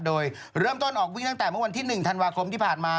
โดยเริ่มต้นออกวิ่งตั้งแต่เมื่อวันที่๑ธันวาคมที่ผ่านมา